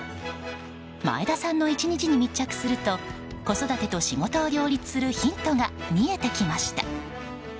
前田さんの１日に密着すると子育てと仕事を両立するヒントが見えてきました。